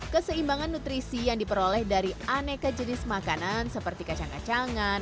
keseimbangan nutrisi yang diperoleh dari aneka jenis makanan seperti kacang kacangan